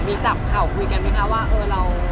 มีจับข่าวคุยกันไหมคะว่าเออเรา